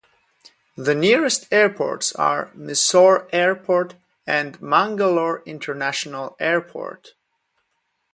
The nearest airports are Mysore Airport and Mangalore International Airport.